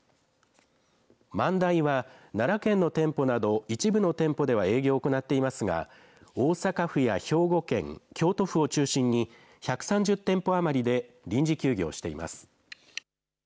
万代は奈良県の店舗では一部の店舗では営業を行っていますが、大阪府や兵庫県、京都府を中心に１３０店舗余りで臨時休業しています。